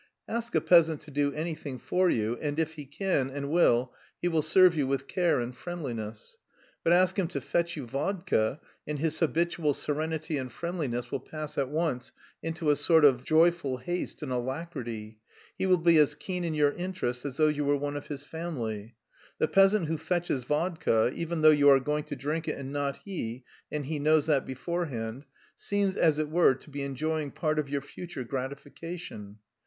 Ask a peasant to do anything for you, and if he can, and will, he will serve you with care and friendliness; but ask him to fetch you vodka and his habitual serenity and friendliness will pass at once into a sort of joyful haste and alacrity; he will be as keen in your interest as though you were one of his family. The peasant who fetches vodka even though you are going to drink it and not he and he knows that beforehand seems, as it were, to be enjoying part of your future gratification.